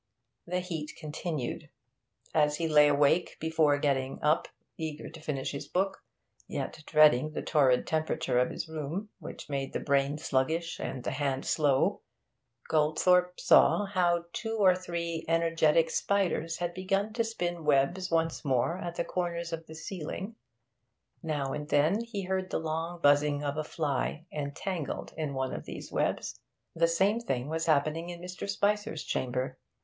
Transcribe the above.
The heat continued. As he lay awake before getting up, eager to finish his book, yet dreading the torrid temperature of his room, which made the brain sluggish and the hand slow, Goldthorpe saw how two or three energetic spiders had begun to spin webs once more at the corners of the ceiling; now and then he heard the long buzzing of a fly entangled in one of these webs. The same thing was happening in Mr. Spicer's chamber.